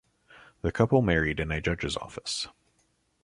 The couple married in a judge's office.